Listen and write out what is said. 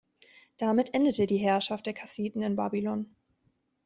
Damit endete die Herrschaft der Kassiten in Babylon.